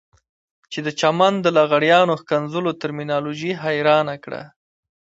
چې د چمن د لغړیانو ښکنځلو ترمینالوژي حيرانه کړه.